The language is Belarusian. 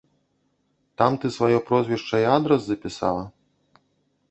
Там ты сваё прозвішча і адрас запісала?